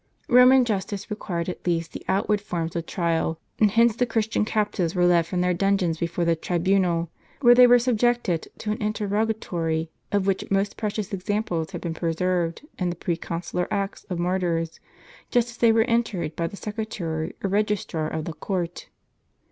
Roman justice required at least the outward forms of trial, and hence the Christian captives were led from their dun geons before the tribunal ; where they were subjected to an interrogatory, of which most precious examples have been preserved in the proconsular Acts of Martyrs, just as they were entered by the secretary or registrar of the court.